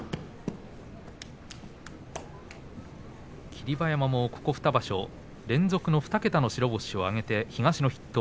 霧馬山もここ２場所連続の２桁の白星を挙げています。